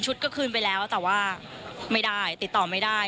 ก็คืนไปแล้วแต่ว่าไม่ได้ติดต่อไม่ได้